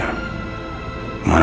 maukan aku temukan dia